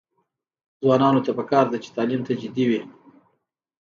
ځوانانو ته پکار ده چې، تعلیم ته جدي وي.